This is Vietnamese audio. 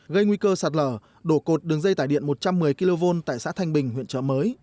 gây nguy cơ sạt lở đổ cột đường dây tải điện một trăm một mươi kv tại xã thanh bình huyện trợ mới